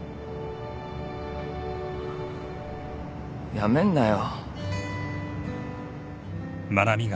辞めんなよ。